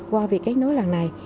qua việc kết nối lần này